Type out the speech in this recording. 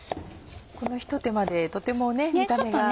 このひと手間でとても見た目が。